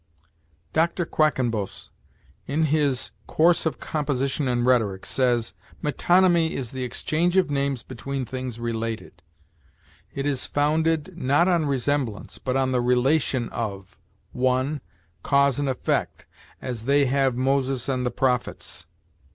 Dr. Quackenbos, in his "Course of Composition and Rhetoric," says: "Metonymy is the exchange of names between things related. It is founded, not on resemblance, but on the relation of, 1. Cause and effect; as,'They have Moses and the prophets,' i. e.